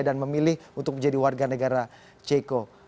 memilih untuk menjadi warga negara ceko